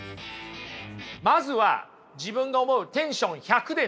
まずは自分の思うテンション１００でね